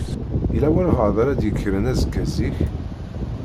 Yella walebɛaḍ ara d-yekkren azekka zik?